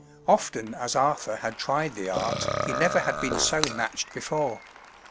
Often as Arthur had tried the art, he never had been so matched before.